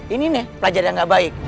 ini nih pelajar yang gak baik